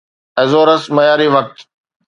Azores معياري وقت